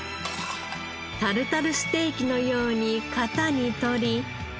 タルタルステーキのように型に取り。